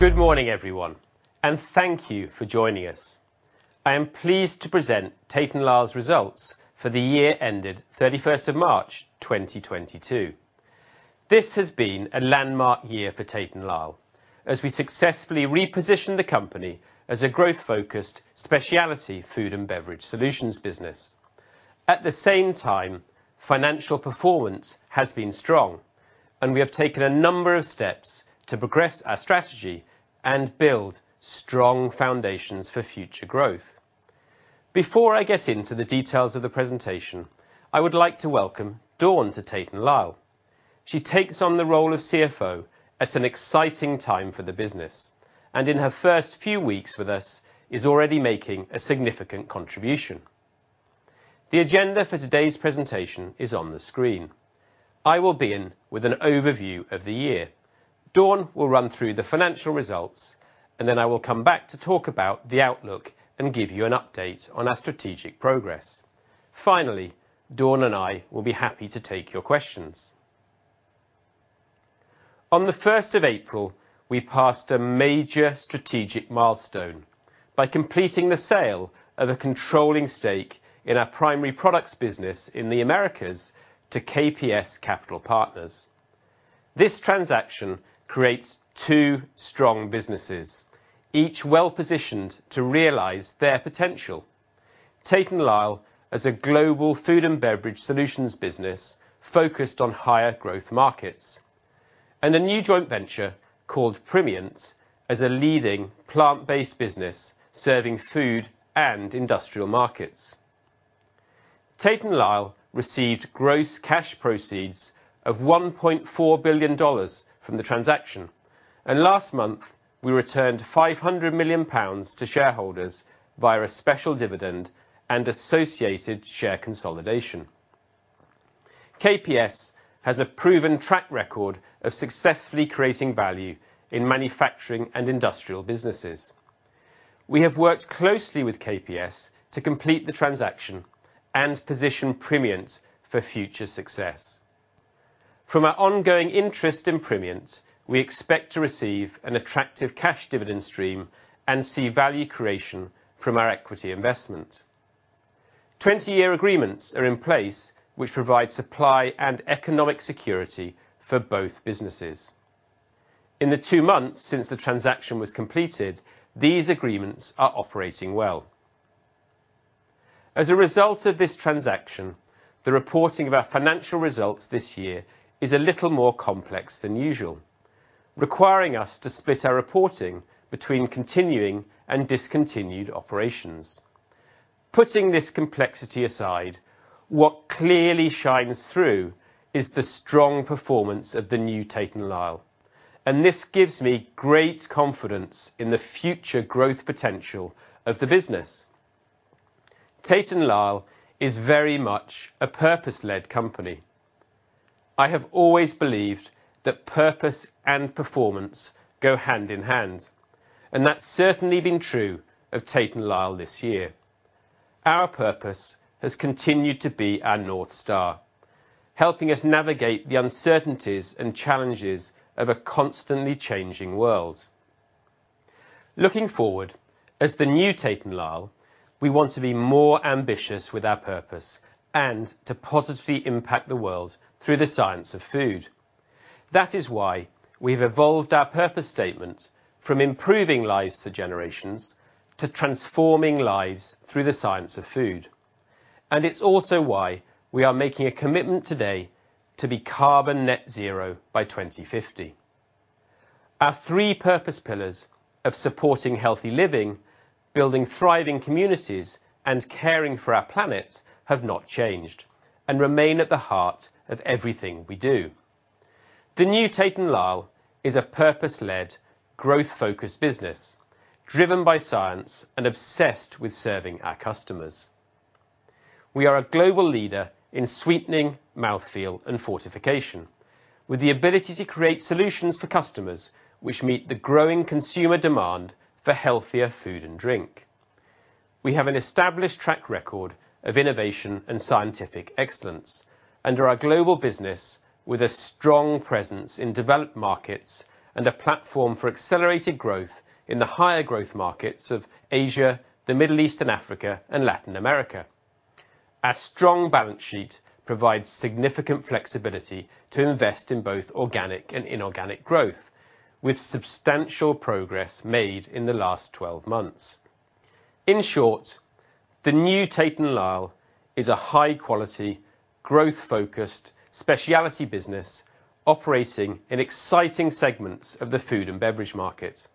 Good morning, everyone, and thank you for joining us. I am pleased to present Tate & Lyle's results for the year ended March 31, 2022. This has been a landmark year for Tate & Lyle, as we successfully repositioned the company as a growth-focused specialty food and beverage solutions business. At the same time, financial performance has been strong and we have taken a number of steps to progress our strategy and build strong foundations for future growth. Before I get into the details of the presentation, I would like to welcome Dawn to Tate & Lyle. She takes on the role of CFO at an exciting time for the business. In her first few weeks with us, she is already making a significant contribution. The agenda for today's presentation is on the screen. I will begin with an overview of the year. Dawn will run through the financial results, and then I will come back to talk about the outlook and give you an update on our strategic progress. Finally, Dawn and I will be happy to take your questions. On the first of April, we passed a major strategic milestone by completing the sale of a controlling stake in our Primary Products business in Americas to KPS Capital Partners. This transaction creates two strong businesses, each well-positioned to realize their potential. Tate & Lyle is a global Food & Beverage Solutions business focused on higher growth markets, and a new joint venture called Primient as a leading plant-based business, serving food and industrial markets. Tate & Lyle received gross cash proceeds of $1.4 billion from the transaction. Last month, we returned 500 million pounds to shareholders via a special dividend and associated share consolidation. KPS has a proven track record of successfully creating value in manufacturing and industrial businesses. We have worked closely with KPS to complete the transaction and position Primient for future success. From our ongoing interest in Primient, we expect to receive an attractive cash dividend stream and see value creation from our equity investment. 20-year agreements are in place, which provide supply and economic security for both businesses. In the two months since the transaction was completed, these agreements are operating well. As a result of this transaction, the reporting of our financial results this year is a little more complex than usual, requiring us to split our reporting between continuing and discontinued operations. Putting this complexity aside, what clearly shines through is the strong performance of the new Tate & Lyle, and this gives me great confidence in the future growth potential of the business. Tate & Lyle is very much a purpose-led company. I have always believed that purpose and performance go hand in hand, and that's certainly been true of Tate & Lyle this year. Our purpose has continued to be our North Star, helping us navigate the uncertainties and challenges of a constantly changing world. Looking forward, as the new Tate & Lyle, we want to be more ambitious with our purpose and to positively impact the world through the science of food. That is why we've evolved our purpose statement from improving lives for generations to transforming lives through the science of food, and it's also why we are making a commitment today to be net zero by 2050. Our three purpose pillars of supporting healthy living, building thriving communities, and caring for our planet have not changed and remain at the heart of everything we do. The new Tate & Lyle is a purpose-led, growth focused business, driven by science and obsessed with serving our customers. We are a global leader in sweetening mouthfeel and fortification with the ability to create solutions for customers which meet the growing consumer demand for healthier food and drink. We have an established track record of innovation and scientific excellence under our global business with a strong presence in developed markets and a platform for accelerated growth in the higher growth markets of Asia, the Middle East and Africa, and Latin America. Our strong balance sheet provides significant flexibility to invest in both organic and inorganic growth, with substantial progress made in the last 12 months. In short, the new Tate & Lyle is a high-quality, growth-focused specialty business operating in exciting segments of the food and beverage market.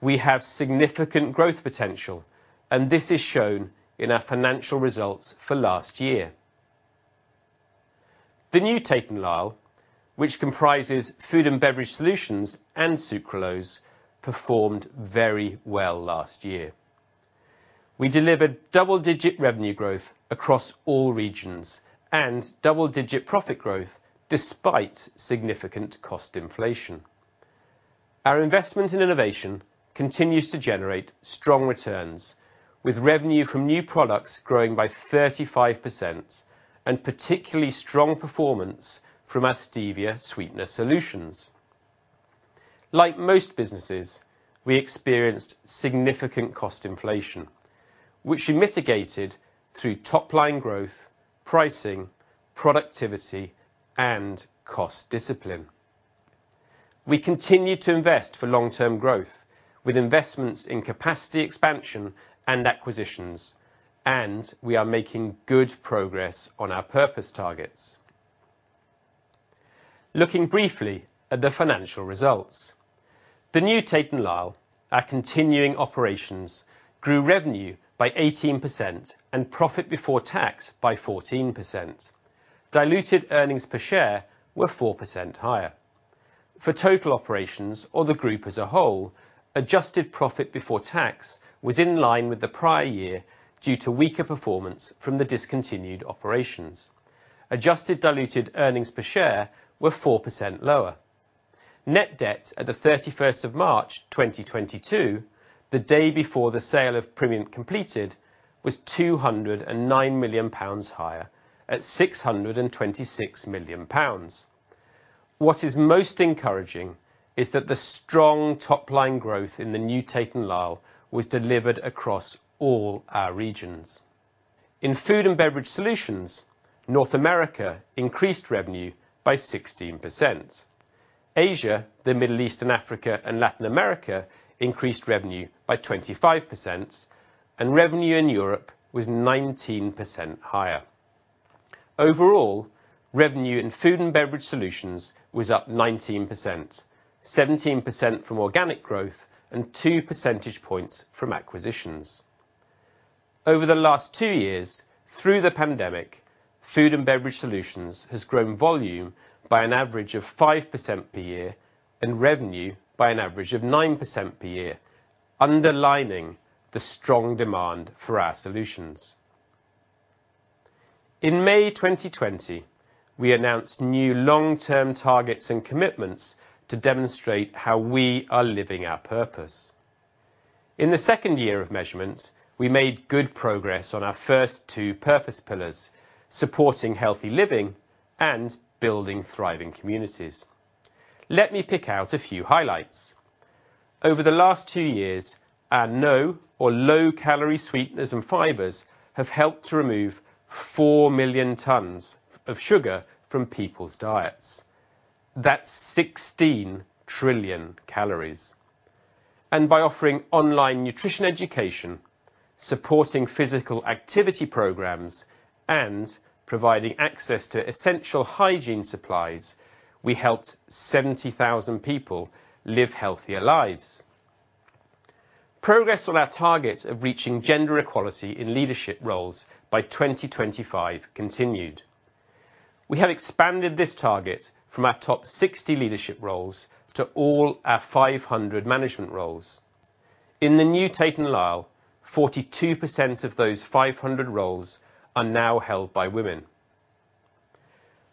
We have significant growth potential, and this is shown in our financial results for last year. The new Tate & Lyle, which comprises Food & Beverage Solutions and sucralose, performed very well last year. We delivered double-digit revenue growth across all regions and double-digit profit growth despite significant cost inflation. Our investment in innovation continues to generate strong returns. With revenue from new products growing by 35% and particularly strong performance from our stevia sweetener solutions. Like most businesses, we experienced significant cost inflation, which we mitigated through top-line growth, pricing, productivity, and cost discipline. We continue to invest for long-term growth with investments in capacity expansion and acquisitions, and we are making good progress on our purpose targets. Looking briefly at the financial results. The new Tate & Lyle, our continuing operations, grew revenue by 18% and profit before tax by 14%. Diluted earnings per share were 4% higher. For total operations or the group as a whole, adjusted profit before tax was in line with the prior year due to weaker performance from the discontinued operations. Adjusted diluted earnings per share were 4% lower. Net debt at the 31st of March, 2022, the day before the sale of Primient completed, was 209 million pounds higher at 626 million pounds. What is most encouraging is that the strong top-line growth in the new Tate & Lyle was delivered across all our regions. In Food & Beverage Solutions, North America increased revenue by 16%. Asia, the Middle East and Africa, and Latin America increased revenue by 25%, and revenue in Europe was 19% higher. Overall, revenue in Food & Beverage Solutions was up 19%, 17% from organic growth and 2 percentage points from acquisitions. Over the last two years through the pandemic, Food & Beverage Solutions has grown volume by an average of 5% per year and revenue by an average of 9% per year, underlining the strong demand for our solutions. In May 2020, we announced new long-term targets and commitments to demonstrate how we are living our purpose. In the second year of measurement, we made good progress on our first two purpose pillars, supporting healthy living and building thriving communities. Let me pick out a few highlights. Over the last two years, our no or low-calorie sweeteners and fibers have helped to remove four million tons of sugar from people's diets. That's 16 trillion calories. By offering online nutrition education, supporting physical activity programs, and providing access to essential hygiene supplies, we helped 70,000 people live healthier lives. Progress on our targets of reaching gender equality in leadership roles by 2025 continued. We have expanded this target from our top 60 leadership roles to all our 500 management roles. In the new Tate & Lyle, 42% of those 500 roles are now held by women.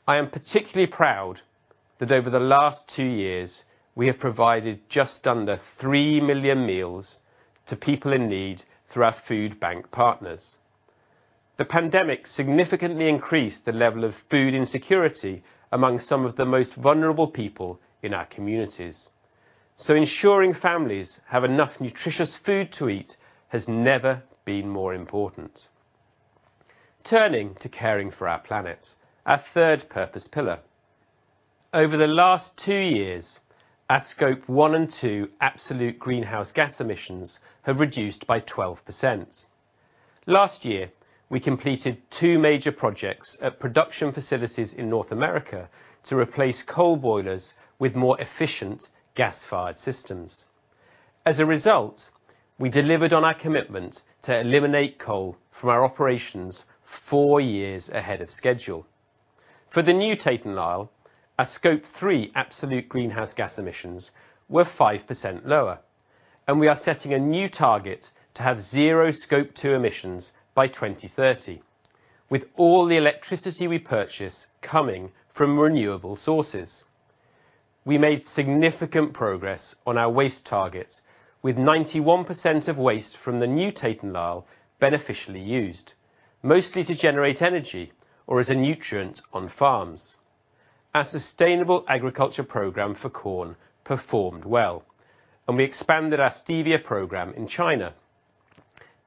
I am particularly proud that over the last two years, we have provided just under three million meals to people in need through our food bank partners. The pandemic significantly increased the level of food insecurity among some of the most vulnerable people in our communities. Ensuring families have enough nutritious food to eat has never been more important. Turning to caring for our planet, our third purpose pillar. Over the last two years, our Scope 1 and Scope 2 absolute greenhouse gas emissions have reduced by 12%. Last year, we completed two major projects at production facilities in North America to replace coal boilers with more efficient gas-fired systems. As a result, we delivered on our commitment to eliminate coal from our operations four years ahead of schedule. For the new Tate & Lyle, our Scope 3 absolute greenhouse gas emissions were 5% lower, and we are setting a new target to have zero Scope 2 emissions by 2030, with all the electricity we purchase coming from renewable sources. We made significant progress on our waste targets, with 91% of waste from the new Tate & Lyle beneficially used, mostly to generate energy or as a nutrient on farms. Our sustainable agriculture program for corn performed well, and we expanded our stevia program in China.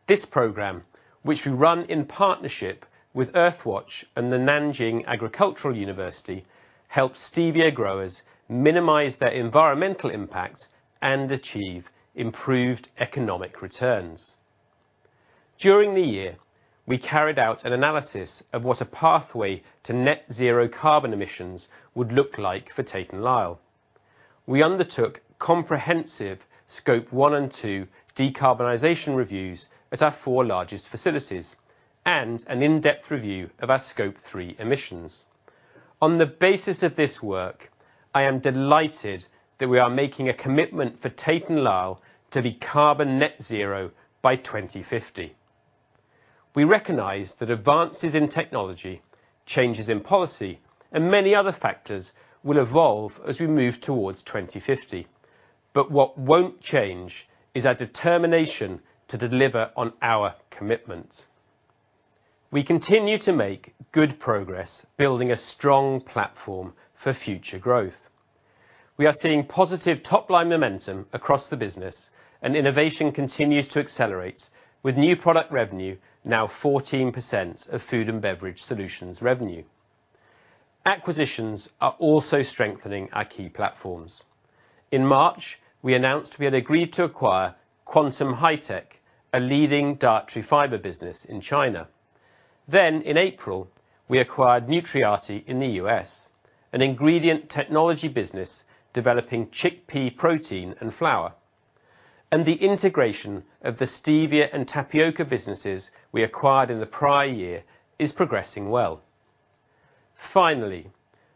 This program, which we run in partnership with Earthwatch and the Nanjing Agricultural University, helps stevia growers minimize their environmental impact and achieve improved economic returns. During the year, we carried out an analysis of what a pathway to net zero carbon emissions would look like for Tate & Lyle. We undertook comprehensive Scope 1 and 2 decarbonization reviews at our four largest facilities and an in-depth review of our Scope 3 emissions. On the basis of this work, I am delighted that we are making a commitment for Tate & Lyle to be carbon net zero by 2050. We recognize that advances in technology, changes in policy, and many other factors will evolve as we move towards 2050. What won't change is our determination to deliver on our commitments. We continue to make good progress building a strong platform for future growth. We are seeing positive top-line momentum across the business, and innovation continues to accelerate with new product revenue now 14% of Food & Beverage Solutions revenue. Acquisitions are also strengthening our key platforms. In March, we announced we had agreed to acquire Quantum Hi-Tech, a leading dietary fiber business in China. In April, we acquired Nutriati in the U.S., an ingredient technology business developing chickpea protein and flour. The integration of the stevia and tapioca businesses we acquired in the prior year is progressing well. Finally,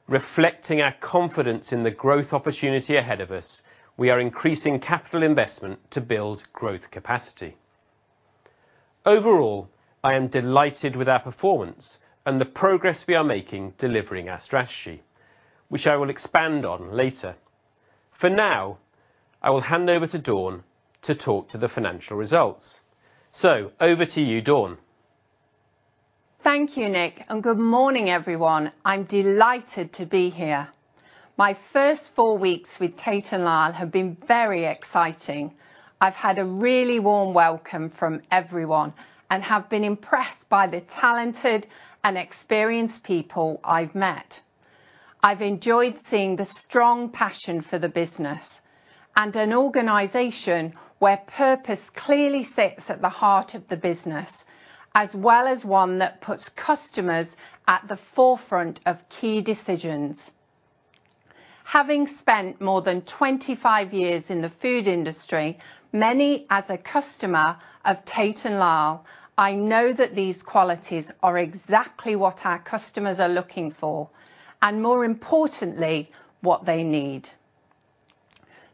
reflecting our confidence in the growth opportunity ahead of us, we are increasing capital investment to build growth capacity. Overall, I am delighted with our performance and the progress we are making delivering our strategy, which I will expand on later. For now, I will hand over to Dawn to talk to the financial results. Over to you, Dawn. Thank you, Nick, and good morning, everyone. I'm delighted to be here. My first four weeks with Tate & Lyle have been very exciting. I've had a really warm welcome from everyone and have been impressed by the talented and experienced people I've met. I've enjoyed seeing the strong passion for the business and an organization where purpose clearly sits at the heart of the business, as well as one that puts customers at the forefront of key decisions. Having spent more than 25 years in the food industry, many as a customer of Tate & Lyle, I know that these qualities are exactly what our customers are looking for, and more importantly, what they need.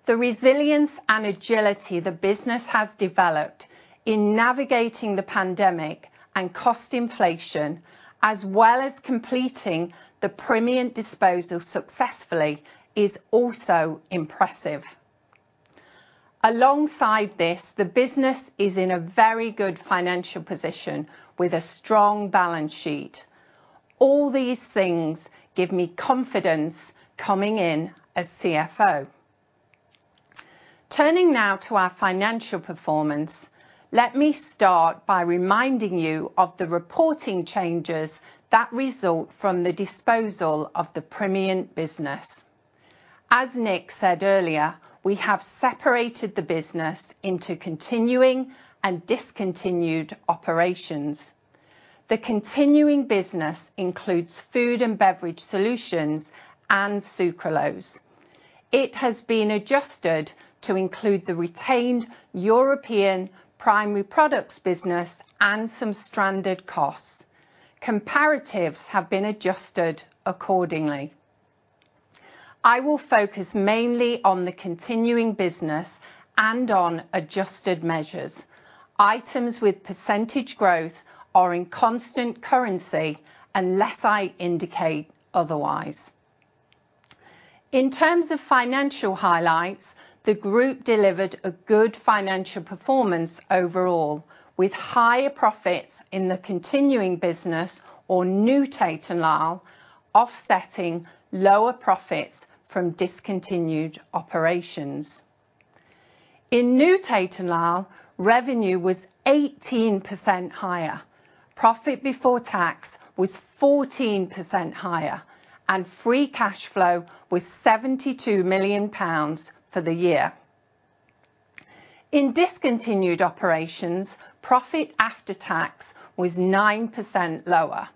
The resilience and agility the business has developed in navigating the pandemic and cost inflation, as well as completing the Primient disposal successfully, is also impressive. Alongside this, the business is in a very good financial position with a strong balance sheet. All these things give me confidence coming in as CFO. Turning now to our financial performance, let me start by reminding you of the reporting changes that result from the disposal of the Primient business. As Nick said earlier, we have separated the business into continuing and discontinued operations. The continuing business includes food and beverage solutions and sucralose. It has been adjusted to include the retained European primary products business and some stranded costs. Comparatives have been adjusted accordingly. I will focus mainly on the continuing business and on adjusted measures. Items with percentage growth are in constant currency unless I indicate otherwise. In terms of financial highlights, the group delivered a good financial performance overall, with higher profits in the continuing business or new Tate & Lyle offsetting lower profits from discontinued operations. In new Tate & Lyle, revenue was 18% higher. Profit before tax was 14% higher, and free cash flow was 72 million pounds for the year. In discontinued operations, profit after tax was 9% lower,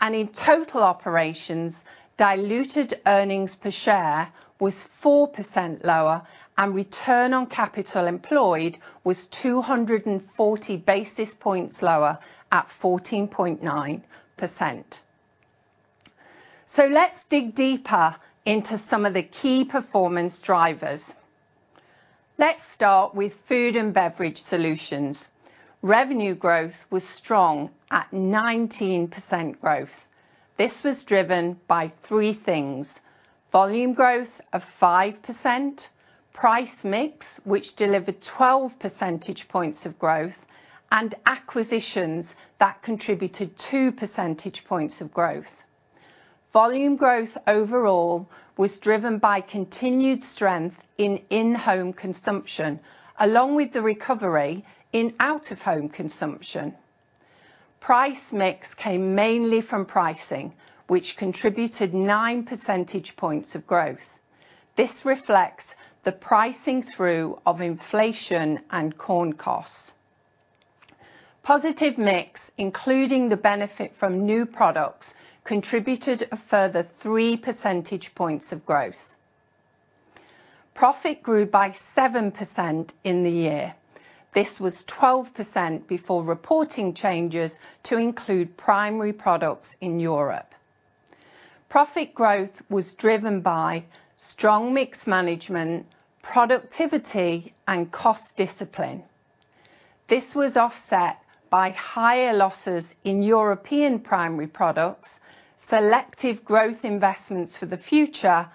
and in total operations, diluted earnings per share was 4% lower, and return on capital employed was 240 basis points lower at 14.9%. Let's dig deeper into some of the key performance drivers. Let's start with Food & Beverage Solutions. Revenue growth was strong at 19% growth. This was driven by three things, volume growth of 5%, price mix, which delivered 12 percentage points of growth, and acquisitions that contributed 2 percentage points of growth. Volume growth overall was driven by continued strength in in-home consumption, along with the recovery in out-of-home consumption. Price mix came mainly from pricing, which contributed 9 percentage points of growth. This reflects the pricing through of inflation and corn costs. Positive mix, including the benefit from new products, contributed a further 3 percentage points of growth. Profit grew by 7% in the year. This was 12% before reporting changes to include Primary Products Europe. Profit growth was driven by strong mix management, productivity and cost discipline. This was offset by higher losses in Primary Products Europe, selective growth investments for the future,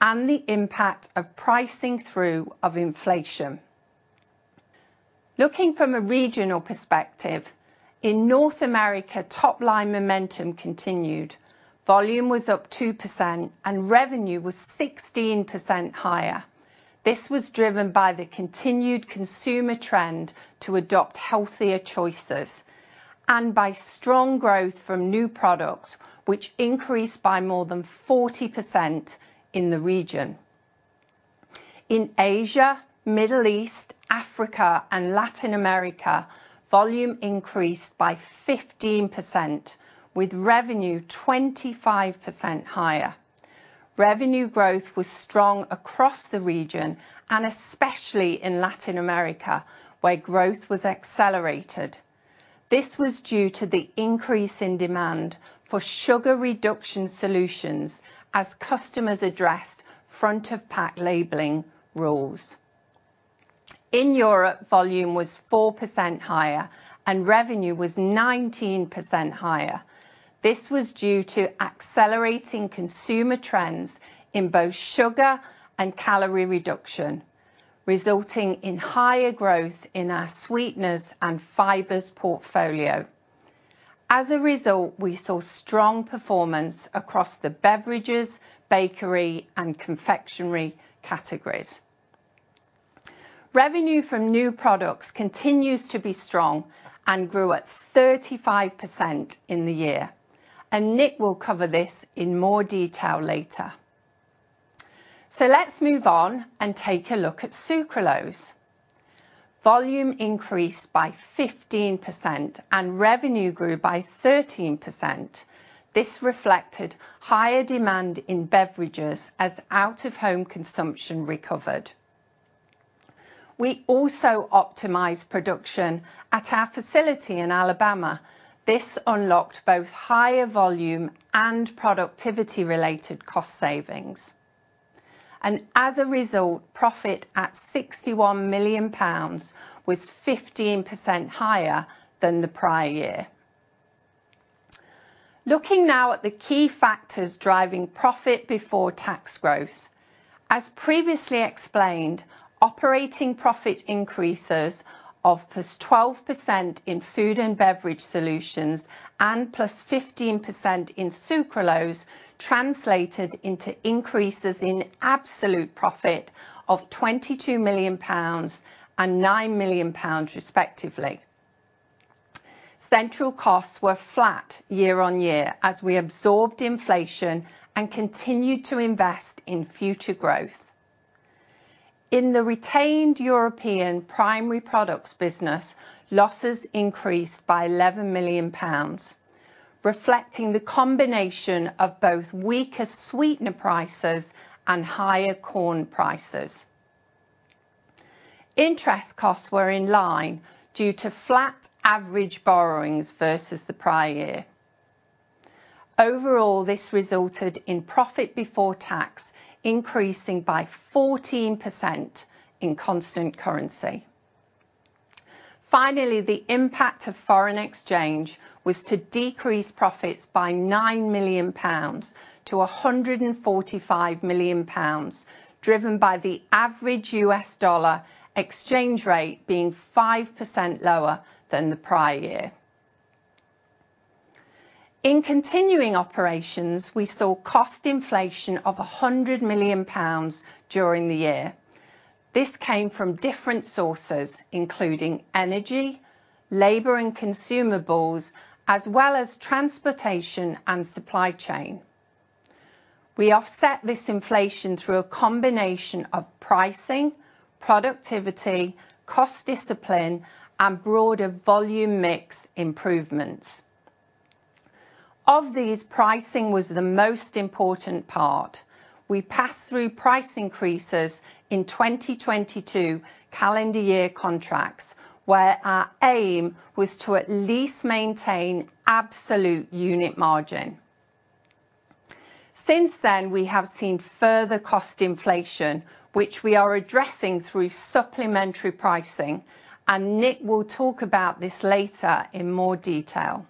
and the impact of pricing through of inflation. Looking from a regional perspective, in North America, top line momentum continued. Volume was up 2% and revenue was 16% higher. This was driven by the continued consumer trend to adopt healthier choices and by strong growth from new products, which increased by more than 40% in the region. In Asia, Middle East, Africa, and Latin America, volume increased by 15% with revenue 25% higher. Revenue growth was strong across the region and especially in Latin America, where growth was accelerated. This was due to the increase in demand for sugar reduction solutions as customers addressed front-of-pack labeling rules. In Europe, volume was 4% higher and revenue was 19% higher. This was due to accelerating consumer trends in both sugar and calorie reduction, resulting in higher growth in our sweeteners and fibers portfolio. As a result, we saw strong performance across the beverages, bakery and confectionery categories. Revenue from new products continues to be strong and grew at 35% in the year, and Nick will cover this in more detail later. Let's move on and take a look at sucralose. Volume increased by 15% and revenue grew by 13%. This reflected higher demand in beverages as out of home consumption recovered. We also optimized production at our facility in Alabama. This unlocked both higher volume and productivity related cost savings, and as a result, profit at 61 million pounds was 15% higher than the prior year. Looking now at the key factors driving profit before tax growth. As previously explained, operating profit increases of +12% in Food & Beverage Solutions and +15% in sucralose translated into increases in absolute profit of 22 million pounds and 9 million pounds, respectively. Central costs were flat year-on-year as we absorbed inflation and continued to invest in future growth. In the retained Primary Products Europe business, losses increased by 11 million pounds, reflecting the combination of both weaker sweetener prices and higher corn prices. Interest costs were in line due to flat average borrowings versus the prior year. Overall, this resulted in profit before tax increasing by 14% in constant currency. Finally, the impact of foreign exchange was to decrease profits by 9 million pounds to 145 million pounds, driven by the average U.S. dollar exchange rate being 5% lower than the prior year. In continuing operations, we saw cost inflation of 100 million pounds during the year. This came from different sources, including energy, labor and consumables, as well as transportation and supply chain. We offset this inflation through a combination of pricing, productivity, cost discipline and broader volume mix improvements. Of these, pricing was the most important part. We passed through price increases in 2022 calendar year contracts, where our aim was to at least maintain absolute unit margin. Since then, we have seen further cost inflation, which we are addressing through supplementary pricing. Nick will talk about this later in more detail.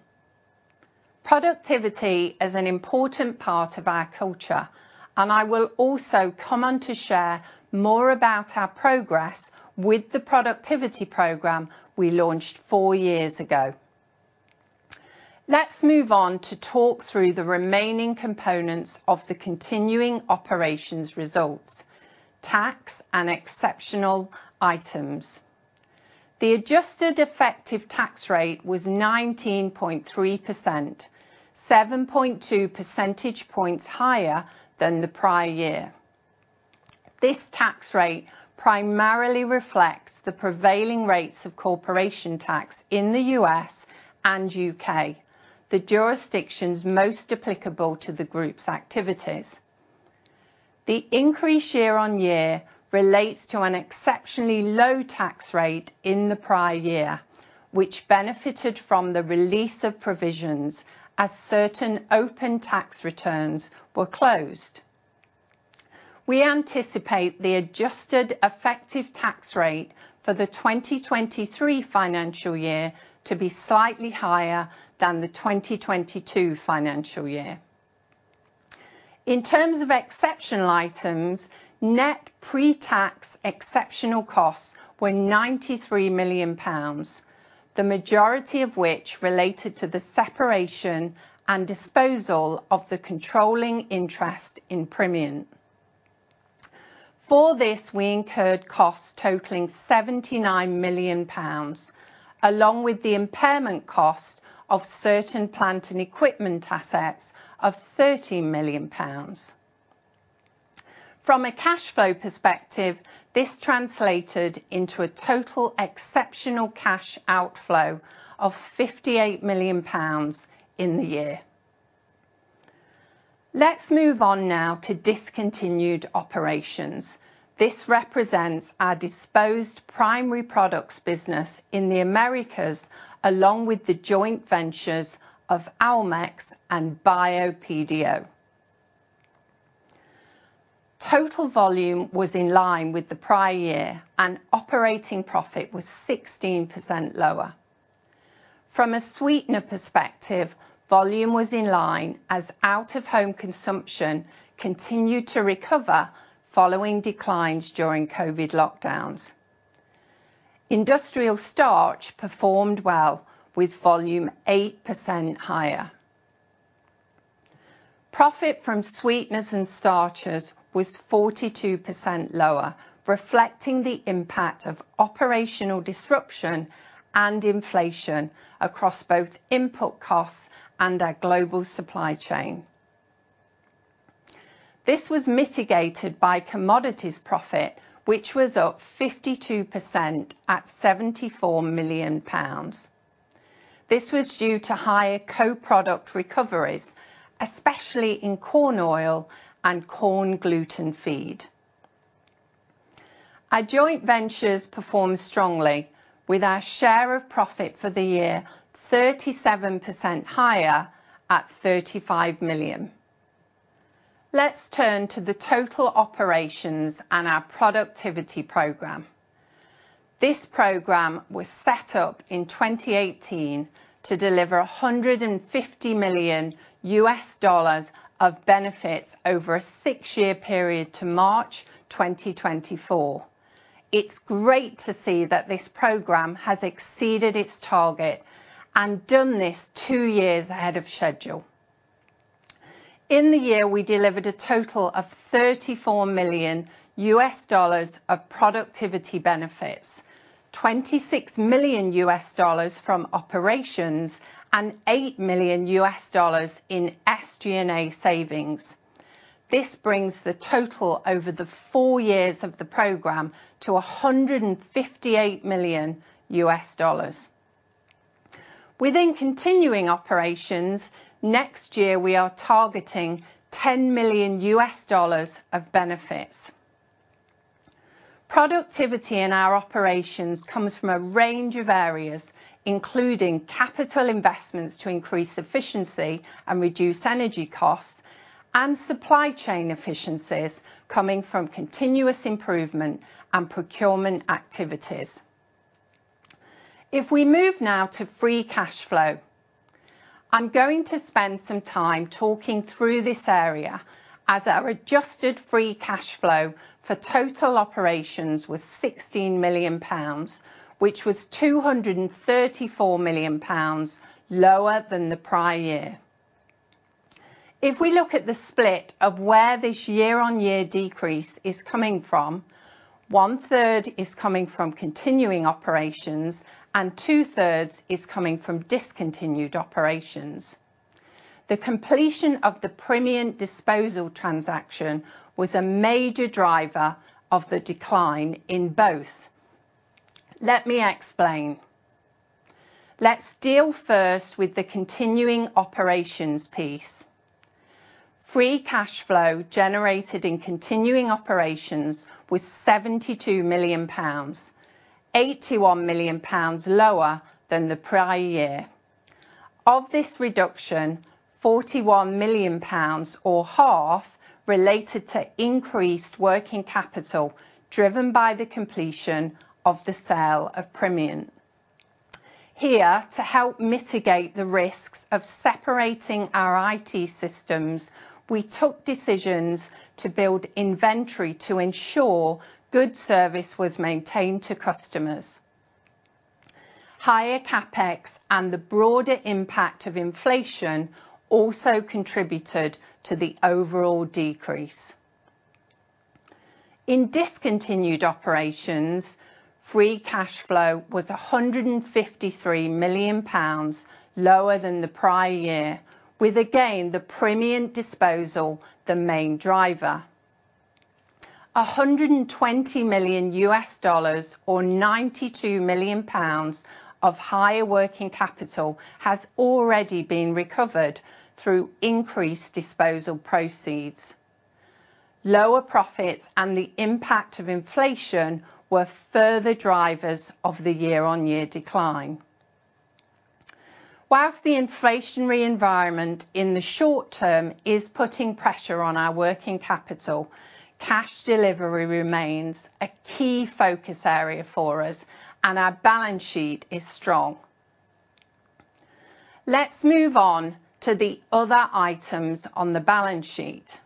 Productivity is an important part of our culture, and I will also come on to share more about our progress with the productivity program we launched four years ago. Let's move on to talk through the remaining components of the continuing operations results, tax and exceptional items. The adjusted effective tax rate was 19.3%, 7.2 percentage points higher than the prior year. This tax rate primarily reflects the prevailing rates of corporation tax in the U.S. and U.K., the jurisdictions most applicable to the group's activities. The increase year on year relates to an exceptionally low tax rate in the prior year, which benefited from the release of provisions as certain open tax returns were closed. We anticipate the adjusted effective tax rate for the 2023 financial year to be slightly higher than the 2022 financial year. In terms of exceptional items, net pre-tax exceptional costs were 93 million pounds, the majority of which related to the separation and disposal of the controlling interest in Primient. For this, we incurred costs totaling 79 million pounds, along with the impairment cost of certain plant and equipment assets of 30 million pounds. From a cash flow perspective, this translated into a total exceptional cash outflow of 58 million pounds in the year. Let's move on now to discontinued operations. This represents our disposed Primary Products business in Americas, along with the joint ventures of Almex and Bio PDO. Total volume was in line with the prior year, and operating profit was 16% lower. From a sweetener perspective, volume was in line as out-of-home consumption continued to recover following declines during COVID lockdowns. Industrial starch performed well with volume 8% higher. Profit from sweeteners and starches was 42% lower, reflecting the impact of operational disruption and inflation across both input costs and our global supply chain. This was mitigated by commodities profit, which was up 52% at 74 million pounds. This was due to higher co-product recoveries, especially in corn oil and corn gluten feed. Our joint ventures performed strongly with our share of profit for the year 37% higher at 35 million. Let's turn to the total operations and our productivity program. This program was set up in 2018 to deliver $150 million of benefits over a six-year period to March 2024. It's great to see that this program has exceeded its target and done this two years ahead of schedule. In the year, we delivered a total of $34 million of productivity benefits, $26 million from operations, and $8 million in SG&A savings. This brings the total over the four years of the program to $158 million. Within continuing operations, next year, we are targeting $10 million of benefits. Productivity in our operations comes from a range of areas, including capital investments to increase efficiency and reduce energy costs and supply chain efficiencies coming from continuous improvement and procurement activities. If we move now to free cash flow. I'm going to spend some time talking through this area as our adjusted free cash flow for total operations was 16 million pounds, which was 234 million pounds lower than the prior year. If we look at the split of where this year-on-year decrease is coming from, one-third is coming from continuing operations and two-thirds is coming from discontinued operations. The completion of the Primient disposal transaction was a major driver of the decline in both. Let me explain. Let's deal first with the continuing operations piece. Free cash flow generated in continuing operations was 72 million pounds, 81 million pounds lower than the prior year. Of this reduction, 41 million pounds or half related to increased working capital driven by the completion of the sale of Primient. Here, to help mitigate the risks of separating our IT systems, we took decisions to build inventory to ensure good service was maintained to customers. Higher CapEx and the broader impact of inflation also contributed to the overall decrease. In discontinued operations, free cash flow was 153 million pounds lower than the prior year, with again, the Primient disposal the main driver. $120 million or 92 million pounds of higher working capital has already been recovered through increased disposal proceeds. Lower profits and the impact of inflation were further drivers of the year-over-year decline. While the inflationary environment in the short term is putting pressure on our working capital, cash delivery remains a key focus area for us, and our balance sheet is strong. Let's move on to the other items on the balance sheet.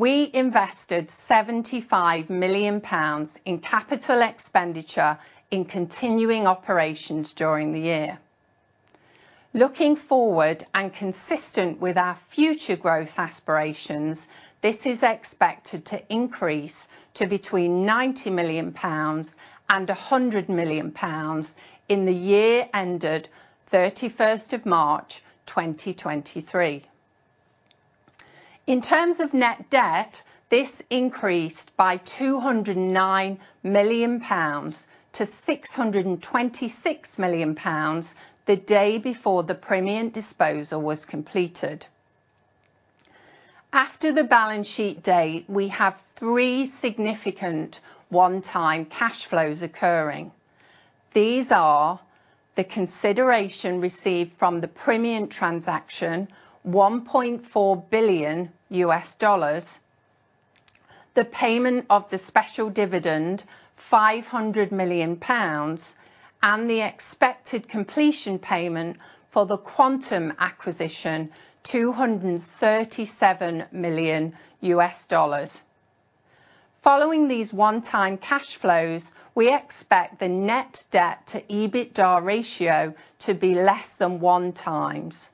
We invested 75 million pounds in capital expenditure in continuing operations during the year. Looking forward and consistent with our future growth aspirations, this is expected to increase to between 90 million pounds and 100 million pounds in the year ended March 31, 2023. In terms of net debt, this increased by 209 million pounds to 626 million pounds the day before the Primient disposal was completed. After the balance sheet date, we have three significant one-time cash flows occurring. These are the consideration received from the Primient transaction, $1.4 billion, the payment of the special dividend, 500 million pounds, and the expected completion payment for the Quantum acquisition, $237 million. Following these one-time cash flows, we expect the net debt to EBITDA ratio to be less than 1x.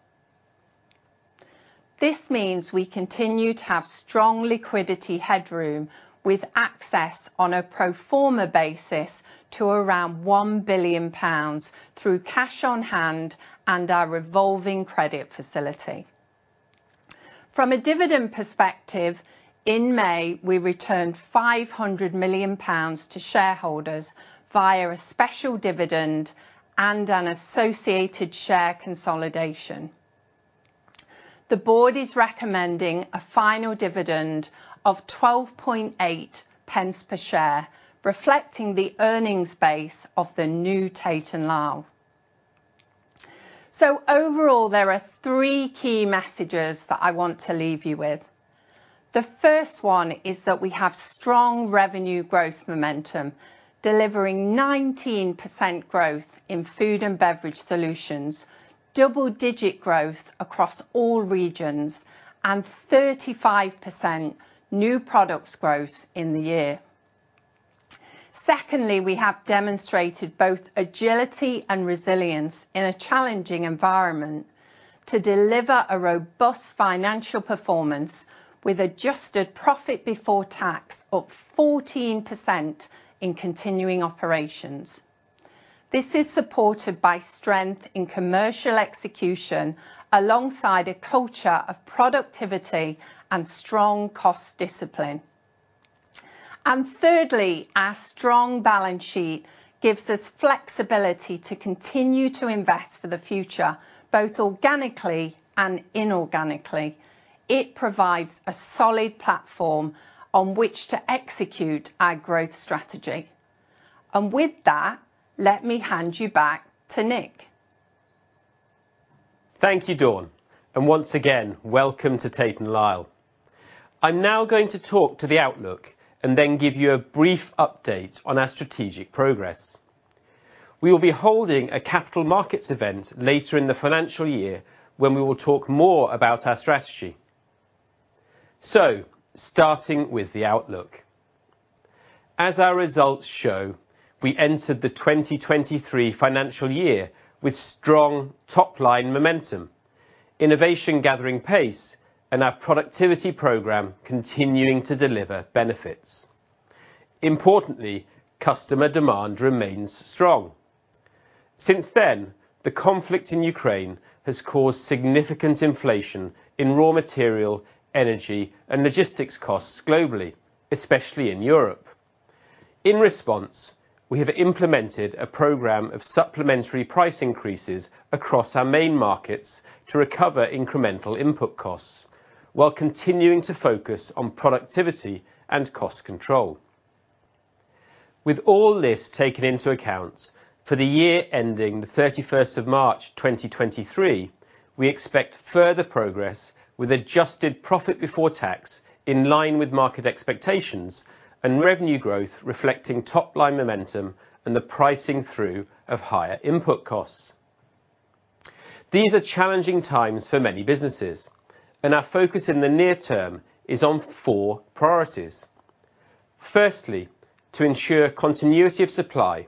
This means we continue to have strong liquidity headroom with access on a pro forma basis to around 1 billion pounds through cash on hand and our revolving credit facility. From a dividend perspective, in May, we returned 500 million pounds to shareholders via a special dividend and an associated share consolidation. The board is recommending a final dividend of 12.8 pence per share, reflecting the earnings base of the new Tate & Lyle. Overall, there are three key messages that I want to leave you with. The first one is that we have strong revenue growth momentum, delivering 19% growth in Food & Beverage Solutions, double digit growth across all regions, and 35% new products growth in the year. Secondly, we have demonstrated both agility and resilience in a challenging environment to deliver a robust financial performance with adjusted profit before tax up 14% in continuing operations. This is supported by strength in commercial execution alongside a culture of productivity and strong cost discipline. Thirdly, our strong balance sheet gives us flexibility to continue to invest for the future, both organically and inorganically. It provides a solid platform on which to execute our growth strategy. With that, let me hand you back to Nick. Thank you, Dawn, and once again, welcome to Tate & Lyle. I'm now going to talk to the outlook and then give you a brief update on our strategic progress. We will be holding a capital markets event later in the financial year when we will talk more about our strategy. Starting with the outlook. As our results show, we entered the 2023 financial year with strong top-line momentum, innovation gathering pace, and our productivity program continuing to deliver benefits. Importantly, customer demand remains strong. Since then, the conflict in Ukraine has caused significant inflation in raw material, energy, and logistics costs globally, especially in Europe. In response, we have implemented a program of supplementary price increases across our main markets to recover incremental input costs while continuing to focus on productivity and cost control. With all this taken into account, for the year ending the 31st of March 2023, we expect further progress with adjusted profit before tax in line with market expectations and revenue growth reflecting top-line momentum and the pricing through of higher input costs. These are challenging times for many businesses, and our focus in the near term is on four priorities. Firstly, to ensure continuity of supply,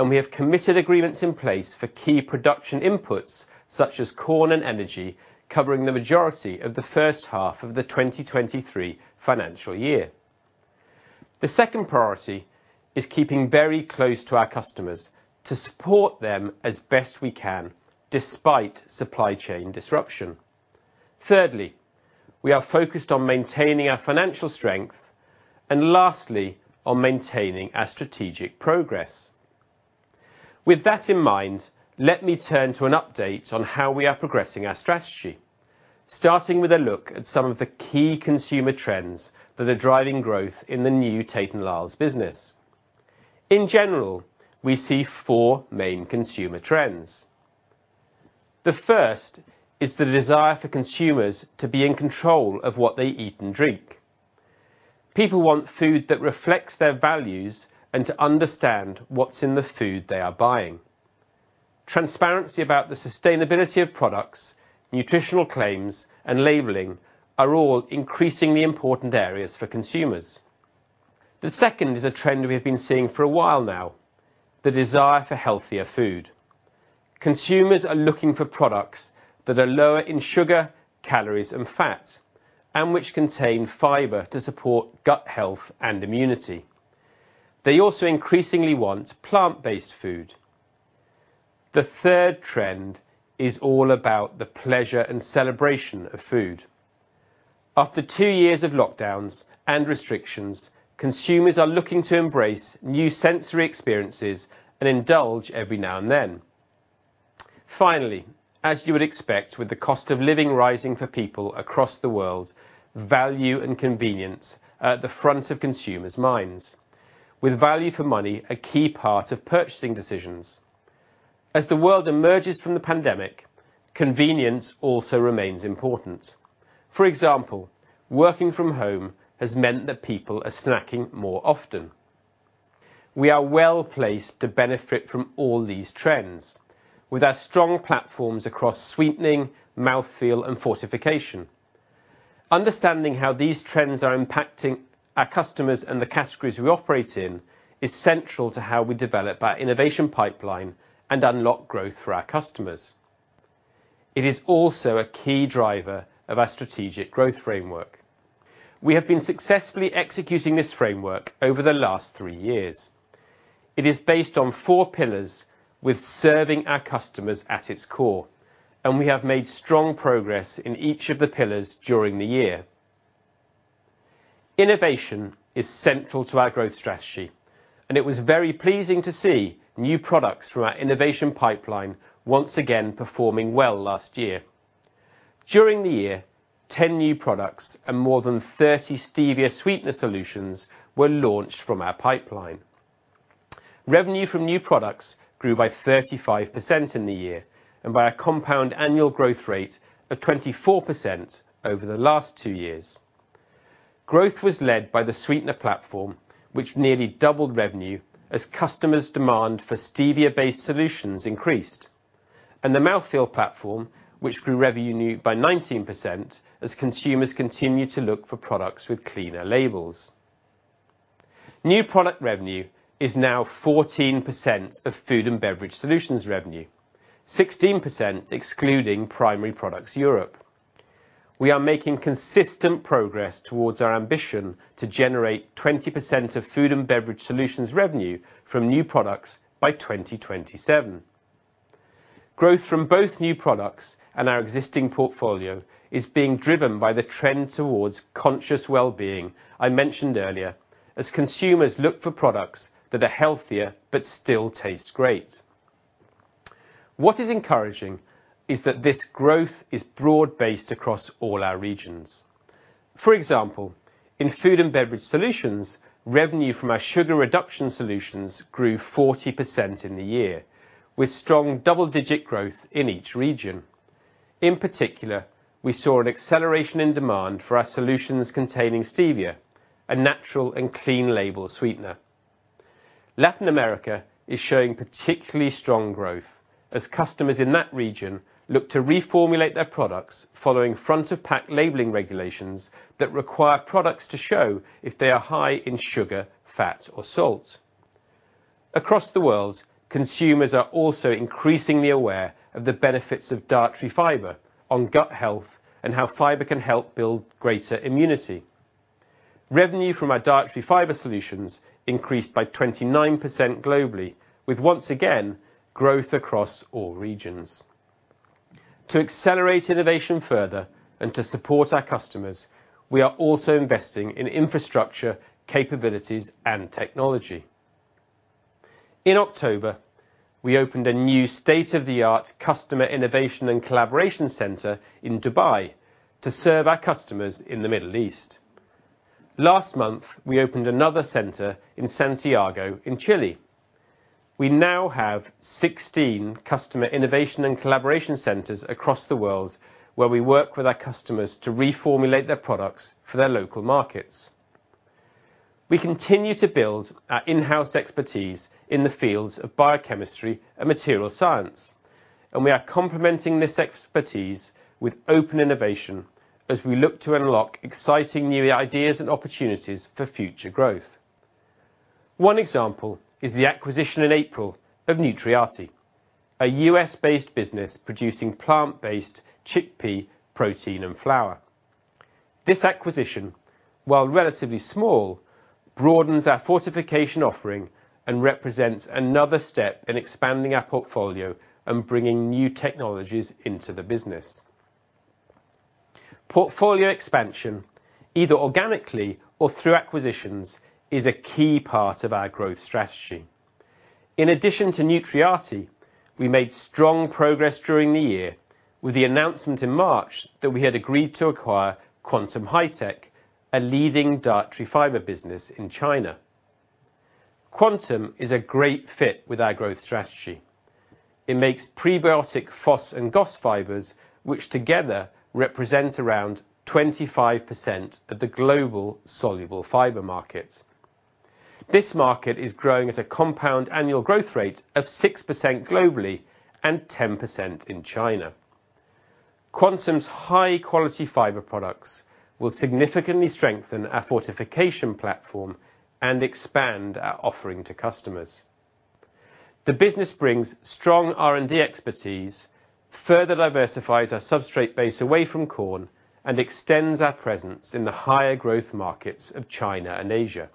and we have committed agreements in place for key production inputs such as corn and energy, covering the majority of the H1 of the 2023 financial year. The second priority is keeping very close to our customers to support them as best we can despite supply chain disruption. Thirdly, we are focused on maintaining our financial strength and lastly, on maintaining our strategic progress. With that in mind, let me turn to an update on how we are progressing our strategy, starting with a look at some of the key consumer trends that are driving growth in the new Tate & Lyle's business. In general, we see four main consumer trends. The first is the desire for consumers to be in control of what they eat and drink. People want food that reflects their values and to understand what's in the food they are buying. Transparency about the sustainability of products, nutritional claims, and labeling are all increasingly important areas for consumers. The second is a trend we have been seeing for a while now, the desire for healthier food. Consumers are looking for products that are lower in sugar, calories, and fats, and which contain fiber to support gut health and immunity. They also increasingly want plant-based food. The third trend is all about the pleasure and celebration of food. After two years of lockdowns and restrictions, consumers are looking to embrace new sensory experiences and indulge every now and then. Finally, as you would expect with the cost of living rising for people across the world, value and convenience are at the front of consumers' minds with value for money a key part of purchasing decisions. As the world emerges from the pandemic, convenience also remains important. For example, working from home has meant that people are snacking more often. We are well-placed to benefit from all these trends with our strong platforms across sweetening, mouthfeel, and fortification. Understanding how these trends are impacting our customers and the categories we operate in is central to how we develop our innovation pipeline and unlock growth for our customers. It is also a key driver of our strategic growth framework. We have been successfully executing this framework over the last three years. It is based on four pillars with serving our customers at its core, and we have made strong progress in each of the pillars during the year. Innovation is central to our growth strategy, and it was very pleasing to see new products from our innovation pipeline once again performing well last year. During the year, 10 new products and more than 30 stevia sweetener solutions were launched from our pipeline. Revenue from new products grew by 35% in the year and by a compound annual growth rate of 24% over the last two years. Growth was led by the sweetener platform, which nearly doubled revenue as customers' demand for stevia-based solutions increased. The mouthfeel platform, which grew revenue by 19% as consumers continue to look for products with cleaner labels. New product revenue is now 14% of Food & Beverage Solutions revenue, 16% excluding Primary Products Europe. We are making consistent progress towards our ambition to generate 20% of Food & Beverage Solutions revenue from new products by 2027. Growth from both new products and our existing portfolio is being driven by the trend towards conscious wellbeing I mentioned earlier as consumers look for products that are healthier but still taste great. What is encouraging is that this growth is broad-based across all our regions. For example, in Food & Beverage Solutions, revenue from our sugar reduction solutions grew 40% in the year with strong double-digit growth in each region. In particular, we saw an acceleration in demand for our solutions containing stevia, a natural and clean label sweetener. Latin America is showing particularly strong growth as customers in that region look to reformulate their products following front-of-pack labeling regulations that require products to show if they are high in sugar, fat, or salt. Across the world, consumers are also increasingly aware of the benefits of dietary fiber on gut health and how fiber can help build greater immunity. Revenue from our dietary fiber solutions increased by 29% globally with, once again, growth across all regions. To accelerate innovation further and to support our customers, we are also investing in infrastructure, capabilities, and technology. In October, we opened a new state-of-the-art customer innovation and collaboration center in Dubai to serve our customers in the Middle East. Last month, we opened another center in Santiago in Chile. We now have 16 customer innovation and collaboration centers across the world where we work with our customers to reformulate their products for their local markets. We continue to build our in-house expertise in the fields of biochemistry and material science, and we are complementing this expertise with open innovation as we look to unlock exciting new ideas and opportunities for future growth. One example is the acquisition in April of Nutriati, a U.S.-based business producing plant-based chickpea protein and flour. This acquisition, while relatively small, broadens our fortification offering and represents another step in expanding our portfolio and bringing new technologies into the business. Portfolio expansion, either organically or through acquisitions, is a key part of our growth strategy. In addition to Nutriati, we made strong progress during the year with the announcement in March that we had agreed to acquire Quantum Hi-Tech, a leading dietary fiber business in China. Quantum is a great fit with our growth strategy. It makes prebiotic FOS and GOS fibers, which together represent around 25% of the global soluble fiber market. This market is growing at a compound annual growth rate of 6% globally, and 10% in China. Quantum's high-quality fiber products will significantly strengthen our fortification platform and expand our offering to customers. The business brings strong R&D expertise, further diversifies our substrate base away from corn, and extends our presence in the higher growth markets of China and Asia.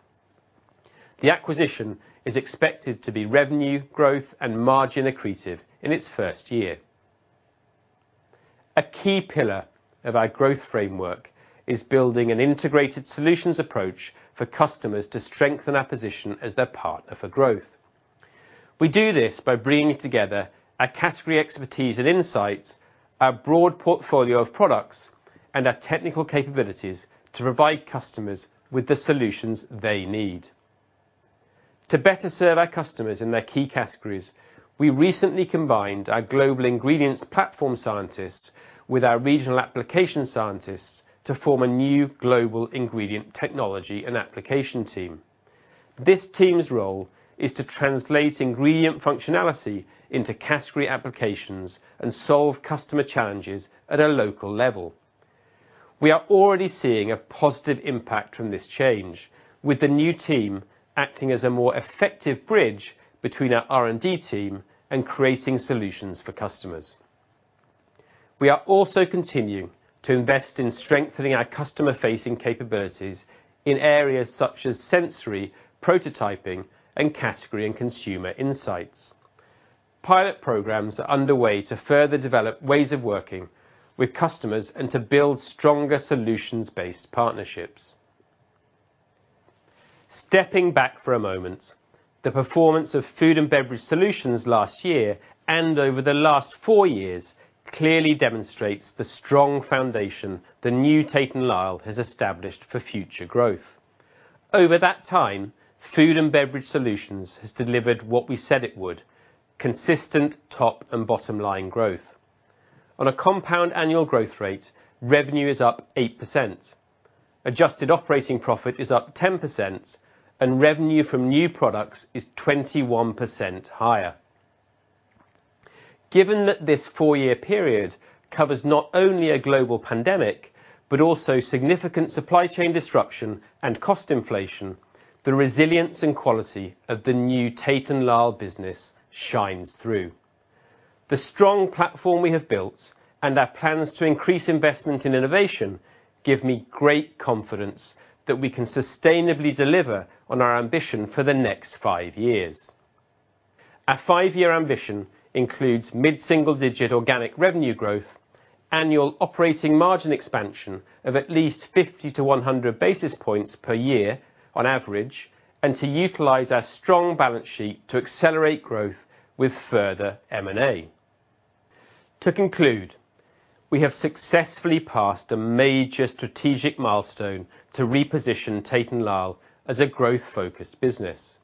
The acquisition is expected to be revenue growth and margin accretive in its first year. A key pillar of our growth framework is building an integrated solutions approach for customers to strengthen our position as their partner for growth. We do this by bringing together our category expertise and insights, our broad portfolio of products, and our technical capabilities to provide customers with the solutions they need. To better serve our customers in their key categories, we recently combined our global ingredients platform scientists with our regional application scientists to form a new global ingredient technology and application team. This team's role is to translate ingredient functionality into category applications and solve customer challenges at a local level. We are already seeing a positive impact from this change with the new team acting as a more effective bridge between our R&D team and creating solutions for customers. We are also continuing to invest in strengthening our customer-facing capabilities in areas such as sensory, prototyping, and category and consumer insights. Pilot programs are underway to further develop ways of working with customers and to build stronger solutions-based partnerships. Stepping back for a moment, the performance of Food & Beverage Solutions last year and over the last four years clearly demonstrates the strong foundation the new Tate & Lyle has established for future growth. Over that time, Food & Beverage Solutions has delivered what we said it would, consistent top and bottom-line growth. On a compound annual growth rate, revenue is up 8%, adjusted operating profit is up 10%, and revenue from new products is 21% higher. Given that this four-year period covers not only a global pandemic, but also significant supply chain disruption and cost inflation, the resilience and quality of the new Tate & Lyle business shines through. The strong platform we have built and our plans to increase investment in innovation give me great confidence that we can sustainably deliver on our ambition for the next five years. Our five-year ambition includes mid-single-digit organic revenue growth, annual operating margin expansion of at least 50-100 basis points per year on average, and to utilize our strong balance sheet to accelerate growth with further M&A. To conclude, we have successfully passed a major strategic milestone to reposition Tate & Lyle as a growth-focused business.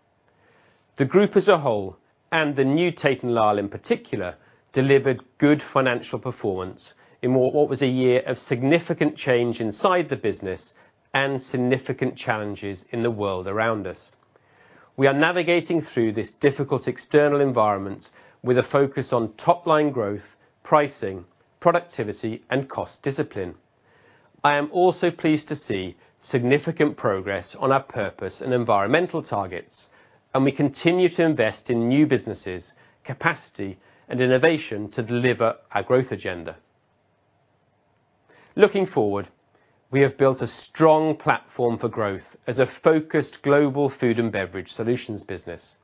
The group as a whole, and the new Tate & Lyle in particular, delivered good financial performance in what was a year of significant change inside the business and significant challenges in the world around us. We are navigating through this difficult external environment with a focus on top-line growth, pricing, productivity, and cost discipline. I am also pleased to see significant progress on our purpose and environmental targets, and we continue to invest in new businesses, capacity, and innovation to deliver our growth agenda. Looking forward, we have built a strong platform for growth as a focused global food and beverage solutions business.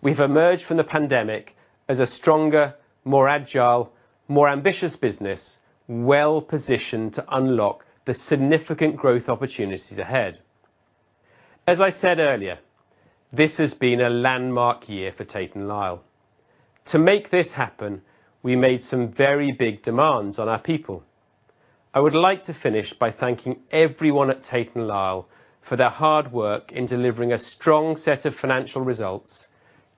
We have emerged from the pandemic as a stronger, more agile, more ambitious business, well-positioned to unlock the significant growth opportunities ahead. As I said earlier, this has been a landmark year for Tate & Lyle. To make this happen, we made some very big demands on our people. I would like to finish by thanking everyone at Tate & Lyle for their hard work in delivering a strong set of financial results,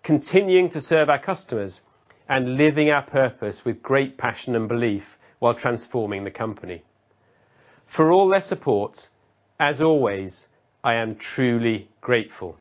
continuing to serve our customers, and living our purpose with great passion and belief while transforming the company. For all their support, as always, I am truly grateful.